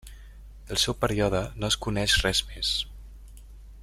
Del seu període no es coneix res més.